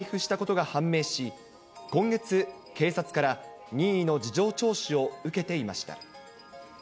元福岡市議が、作成、配布したことが判明し、今月、警察から任意の事情聴取を受けていました。